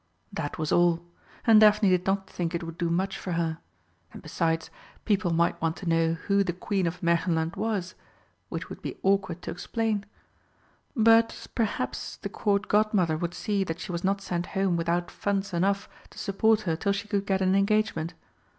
That was all and Daphne did not think it would do much for her. And besides, people might want to know who the Queen of Märchenland was which would be awkward to explain. But perhaps the Court Godmother would see that she was not sent home without funds enough to support her till she could get an engagement.